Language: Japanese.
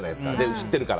知ってるから。